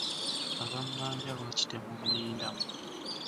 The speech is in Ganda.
Abammanja naye lwaki temunnindamu?